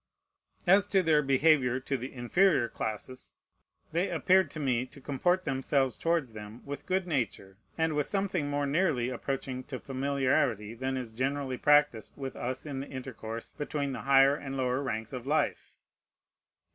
As to their behavior to the inferior classes, they appeared to me to comport themselves towards them with good nature, and with something more nearly approaching to familiarity than is generally practised with us in the intercourse between the higher and lower ranks of life.